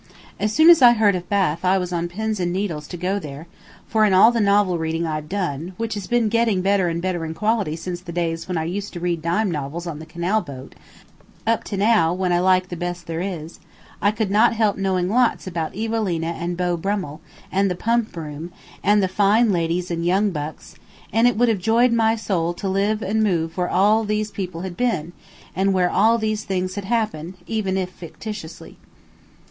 As soon as I heard of Bath I was on pins and needles to go there, for in all the novel reading I've done, which has been getting better and better in quality since the days when I used to read dime novels on the canal boat, up to now when I like the best there is, I could not help knowing lots about Evelina and Beau Brummel, and the Pump Room, and the fine ladies and young bucks, and it would have joyed my soul to live and move where all these people had been, and where all these things had happened, even if fictitiously.